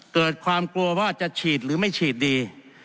เกิดความกลัวว่าจะฉีดหรือไม่ฉีดดี